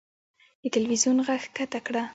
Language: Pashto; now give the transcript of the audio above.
د تلوېزون ږغ کښته کړه .